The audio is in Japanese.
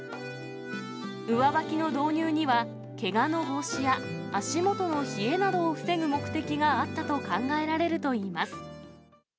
上履きの導入には、けがの防止や、足元の冷えなどを防ぐ目的があったと考えられるといいます。